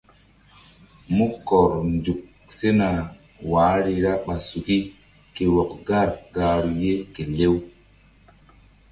Mu kɔr nzuk sena wahri ra ɓa suki ke wɔk gar gahru ye ke lew.